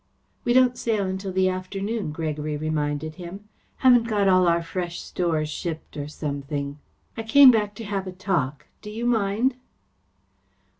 "We don't sail until the afternoon," Gregory reminded him. "Haven't got all our fresh stores shipped, or something. I came back to have a talk. Do you mind?"